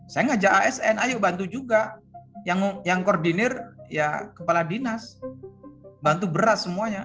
saya ngajak asn ayo bantu juga yang koordinir ya kepala dinas bantu beras semuanya